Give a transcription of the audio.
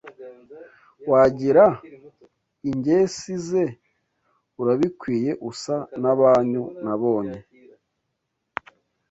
Wagira ingesi ze urabikwiye usa n’abanyu nabonye